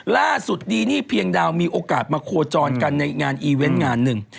ดีนี่เพียงดาวมีโอกาสมาโคจรกันในงานอีเวนต์งานหนึ่ง